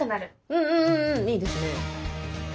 うんうんうんうんいいですね。